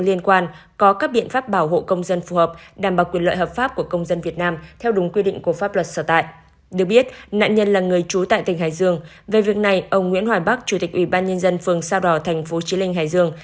về việc này ông nguyễn hoài bắc chủ tịch ủy ban nhân dân phường sao đỏ thành phố chí linh hải dương